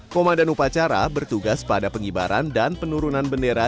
komandan upacara bertugas pada pengibaran dan penurunan bendera